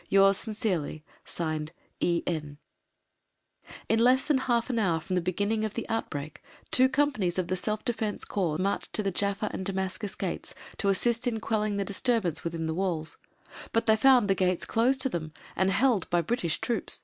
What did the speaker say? .... Yours sincerely, (Signed) E.N. In less than half an hour from the beginning of the outbreak, two companies of the Self Defence Corps marched to the Jaffa and Damascus Gates to assist in quelling the disturbance within the walls, but they found the gates closed to them and held by British troops.